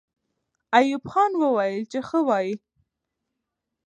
ایوب خان وویل چې ښه وایئ.